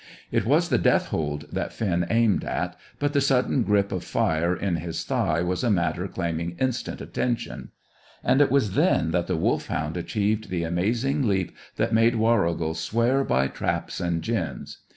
It was the death hold that Finn aimed at, but the sudden grip of fire in his thigh was a matter claiming instant attention; and it was then that the Wolfhound achieved the amazing leap that made Warrigal swear by traps and gins.